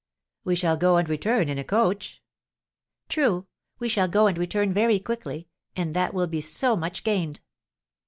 "We shall go and return in a coach." "True; we shall go and return very quickly, and that will be so much gained."